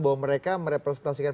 bahwa mereka merepresentasikan